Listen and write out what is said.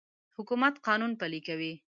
حکومت قانون پلی کوي.